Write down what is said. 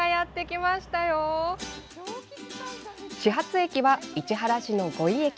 始発駅は市原市の五井駅。